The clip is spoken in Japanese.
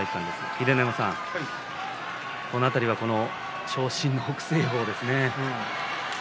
秀ノ山さん、この辺りは長身の北青鵬ですね。